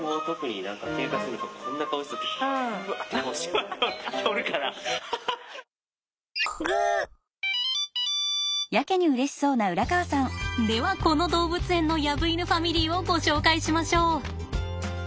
こんな顔した時ではこの動物園のヤブイヌファミリーをご紹介しましょう。